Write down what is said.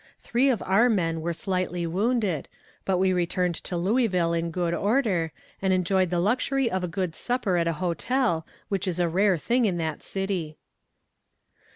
Three of our men were slightly wounded, but we returned to Louisville in good order, and enjoyed the luxury of a good supper at a hotel, which is a rare thing in that city.